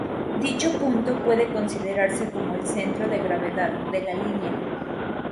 Dicho punto puede considerarse como el centro de gravedad de la línea.